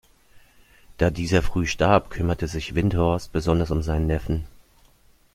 Da dieser früh starb, kümmerte sich Windthorst besonders um seinen Neffen.